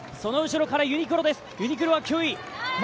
その後ろからユニクロ、９位。